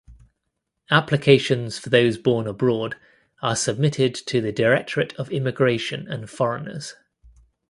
Applications for those born abroad are submitted to the Directorate of Immigration and Foreigners.